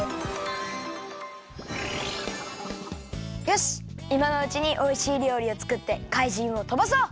よしいまのうちにおいしいりょうりをつくってかいじんをとばそう！